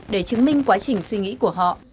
để chứng minh quá trình suy nghĩ của họ